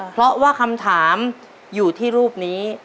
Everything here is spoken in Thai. เพราะว่าคำถามอยู่ที่รูปนี้